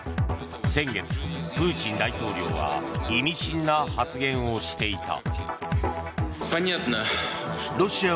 先月、プーチン大統領は意味深な発言をしていた。